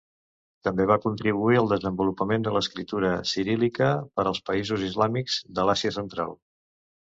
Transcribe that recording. També va contribuir al desenvolupament de l'escriptura ciríl·lica per als països islàmics de l'Àsia Central.